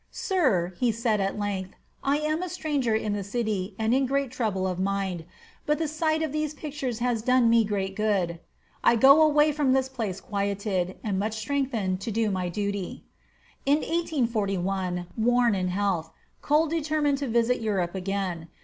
"Sir," he said at length, "I am a stranger in the city, and in great trouble of mind. But the sight of these pictures has done me great good. I go away from this place quieted, and much strengthened to do my duty." In 1841, worn in health, Cole determined to visit Europe again.